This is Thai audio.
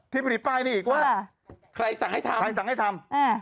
ผลิตป้ายนี่อีกว่าใครสั่งให้ทำใครสั่งให้ทำ